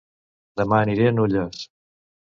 Dema aniré a Nulles